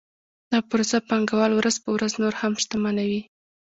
دا پروسه پانګوال ورځ په ورځ نور هم شتمنوي